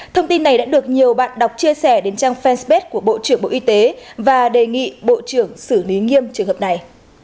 thông tin này đã được nhiều bạn đọc chia sẻ đến trang fanpage của bộ trưởng bộ y tế và đề nghị bộ trưởng xử lý nghiêm trường hợp này